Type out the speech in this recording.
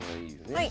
はい。